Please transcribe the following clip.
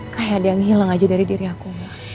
kayak ada yang hilang aja dari diri aku